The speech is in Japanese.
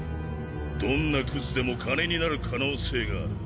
どんなクズでも金になる可能性がある。